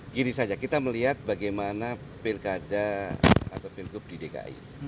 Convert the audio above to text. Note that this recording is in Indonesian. gini saja kita melihat bagaimana pilkada atau pilgub di dki